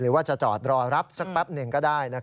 ว่าจะจอดรอรับสักแป๊บหนึ่งก็ได้